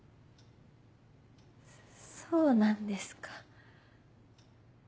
そうなんですか。